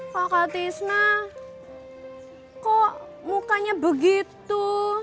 kakak tisna kok mukanya begitu